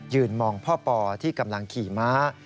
มองพ่อปอที่กำลังขี่ม้า